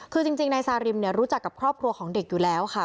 คือจริงนายซาริมรู้จักกับครอบครัวของเด็กอยู่แล้วค่ะ